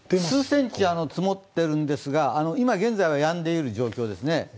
数センチ積もっているんですが、今現在はやんでいる状況です。